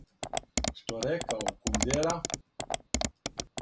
Што рекао Кундера...